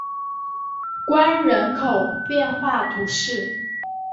关人口变化图示